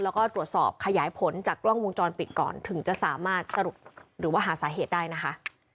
แล้วก็ตรวจสอบขยายผลจากกล้องวงจรปิดก่อนถึงจะสามารถสรุปหรือว่าหาสาเหตุได้นะคะ